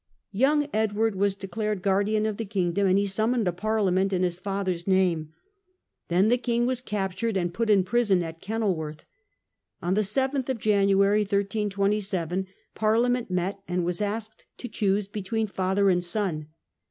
Young Edward was declared guardian of the kingdom, ".nd he summoned a parliament in his father's name. Then the king was captured and put in prison at Kenil worth. On the 7th of January, 1327, Parliament met, and was asked to choose between father and son.